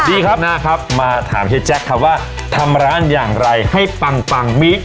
ดีครับน่าครับมาถามเฮียแจ๊คครับว่าทำร้านอย่างไรให้ปังปังมิ